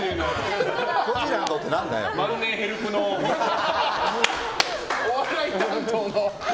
万年ヘルプのお笑い担当の。